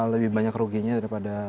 lebih banyak ruginya daripada